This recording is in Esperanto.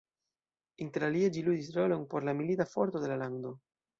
Interalie ĝi ludis rolon por la milita forto de la lando.